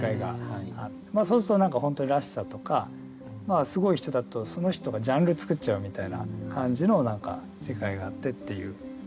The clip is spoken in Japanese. そうすると本当にらしさとかすごい人だとその人がジャンル作っちゃうみたいな感じの世界があってっていう。